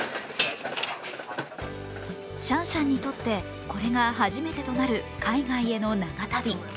シャンシャンにとってこれが初めてとなる海外への長旅。